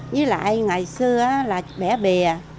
với lại ngày xưa là bẻ bề